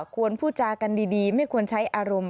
ควรพูดจากันดีไม่ควรใช้อารมณ์